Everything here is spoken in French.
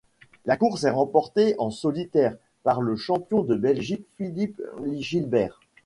La course est remportée en solitaire par le champion de Belgique Philippe Gilbert.